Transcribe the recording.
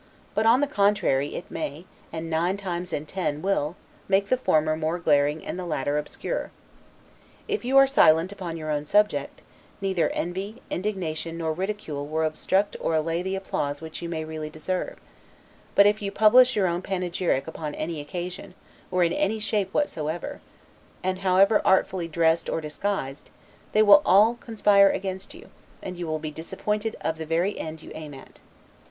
but, on the contrary, it may, and nine times in ten, will, make the former more glaring and the latter obscure. If you are silent upon your own subject, neither envy, indignation, nor ridicule, will obstruct or allay the applause which you may really deserve; but if you publish your own panegyric upon any occasion, or in any shape whatsoever, and however artfully dressed or disguised, they will all conspire against you, and you will be disappointed of the very end you aim at.